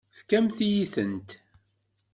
Tfakemt-iyi-tent.